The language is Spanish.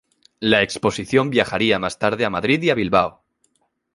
La exposición viajaría más tarde a Madrid y a Bilbao.